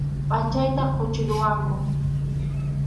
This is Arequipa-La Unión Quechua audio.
Pʼachayta quchiriwanku.